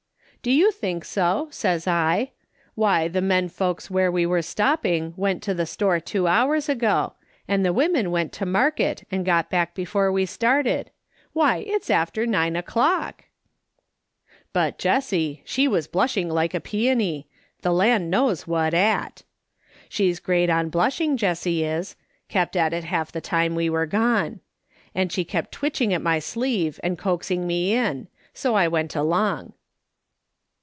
"' Do you think so ?' says I. ' Why, the men folks where we are stopping went to the store two hours ago ; and the women went to market and got back before we started. Why, it's after nine o'clock !'" Bub Jessie, she was blushing like a peony — the A SUNDAY SCHOOL CONVENTION. 23 land knows what at. She's great on blushing, Jessie is ; kept at it half the time we were gone. And she kept twitching at my sleeve, and a coaxing me in ; so I went along.